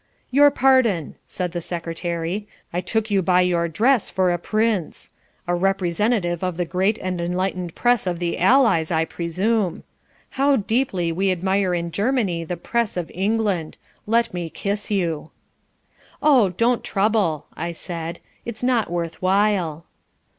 "Your pardon," said the secretary. "I took you by your dress for a prince. A representative of the great and enlightened press of the Allies, I presume. How deeply we admire in Germany the press of England! Let me kiss you." "Oh, don't trouble," I said, "it's not worth while."